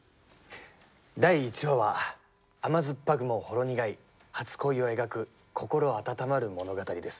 第１話は甘酸っぱくもほろ苦い初恋を描く心温まる物語です。